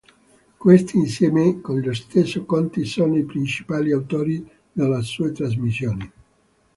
Questi insieme con lo stesso Conti sono i principali autori delle sue trasmissioni.